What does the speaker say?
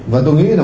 và tôi nghĩ là